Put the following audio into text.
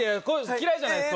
嫌いじゃないです